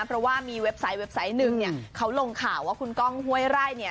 เพราะว่ามีเว็บไซต์เว็บไซต์หนึ่งเนี่ยเขาลงข่าวว่าคุณก้องห้วยไร่เนี่ย